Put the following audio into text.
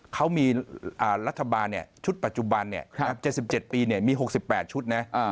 เขามีรัฐบาลชุดปัจจุบัน๗๗ปีมี๖๘ชุดนะ